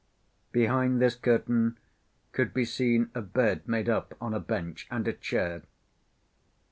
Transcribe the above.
Behind this curtain could be seen a bed made up on a bench and a chair.